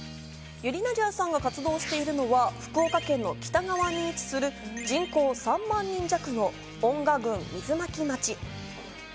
ｙｕｒｉｎａｓｉａさんが活動しているのは福岡県北側に位置する人口３万人弱の水巻町。